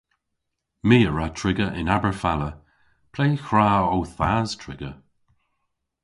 My a wra triga yn Aberfala. Ple hwra ow thas triga?